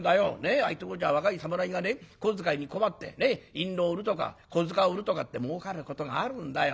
ああいうとこじゃ若い侍が小遣いに困って印籠売るとか小づか売るとかって儲かることがあるんだよ。